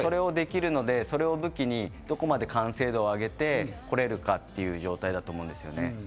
それができるので、それを武器にどこまで完成度を上げて来れるかという状態だと思います。